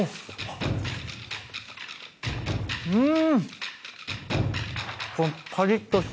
うん！